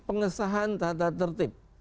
pengesahan tata tertib